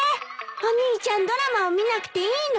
お兄ちゃんドラマを見なくていいの？